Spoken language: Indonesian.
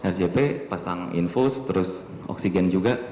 rjp pasang infus terus oksigen juga